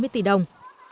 xây dựng đúng